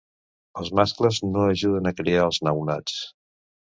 Els mascles no ajuden a criar els nounats.